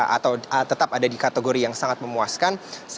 atau tetap ada di kategori yang sangat memuaskan